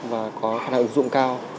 và có khả năng ứng dụng cao